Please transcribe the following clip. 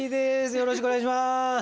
よろしくお願いします。